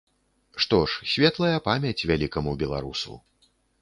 Што ж, светлая памяць вялікаму беларусу.